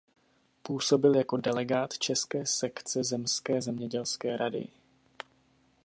Působil jako delegát české sekce zemské zemědělské rady.